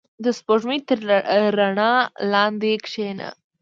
• د سپوږمۍ تر رڼا لاندې کښېنه.